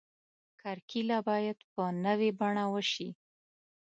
کرکیله باید په نوې بڼه وشي.